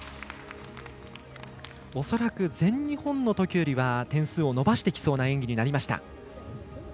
恐らく全日本のときよりは点数を伸ばしてきそうな演技になりました。